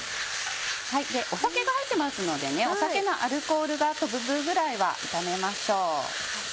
酒が入ってますので酒のアルコールがとぶぐらいは炒めましょう。